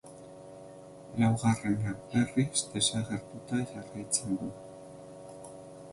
Laugarrena, berriz, desagertuta jarraitzen du.